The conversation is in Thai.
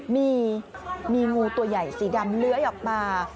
มีงูตัวใหญ่สีดำเลื้อยออกมา